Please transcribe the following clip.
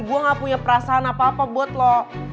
gue gak punya perasaan apa apa buat lo